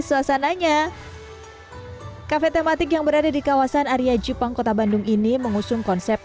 suasananya kafe tematik yang berada di kawasan area jepang kota bandung ini mengusung konsep